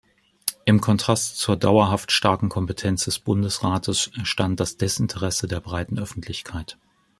Im Kontrast zur dauerhaft starken Kompetenz des Bundesrates stand das Desinteresse der breiten Öffentlichkeit.